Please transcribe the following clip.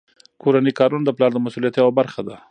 کورني کارونه د پلار د مسؤلیت یوه برخه ده.